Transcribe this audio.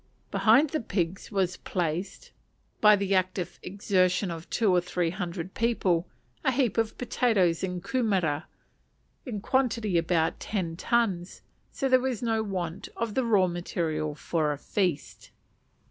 Behind the pigs was placed, by the active exertion of two or three hundred people, a heap of potatoes and kumera, in quantity about ten tons, so there was no want of the raw material for a feast.